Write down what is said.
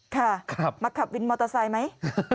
ค่ะมาขับวินมอเตอร์ไซค์ไหม